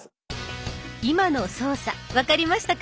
今の操作分かりましたか？